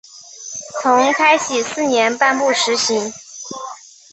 从开禧四年颁布施行。